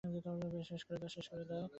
শেষ করে দাও।